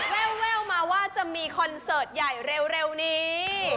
แววมาว่าจะมีคอนเสิร์ตใหญ่เร็วนี้